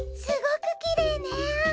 すごくきれいね。